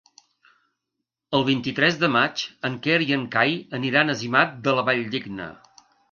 El vint-i-tres de maig en Quer i en Cai aniran a Simat de la Valldigna.